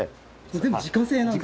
全部自家製なんですか？